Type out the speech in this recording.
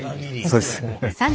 そうです。